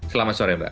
selamat sore mbak